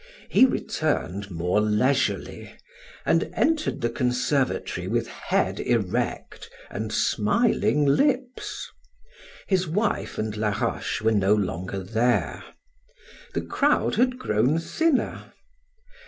He returned more leisurely, and entered the conservatory with head erect and smiling lips. His wife and Laroche were no longer there. The crowd had grown thinner.